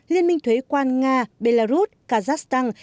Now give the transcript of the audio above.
liên minh thuế quan nga belarus kazakhstan